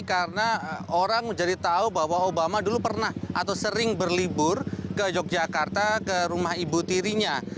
karena orang menjadi tahu bahwa obama dulu pernah atau sering berlibur ke yogyakarta ke rumah ibu tirinya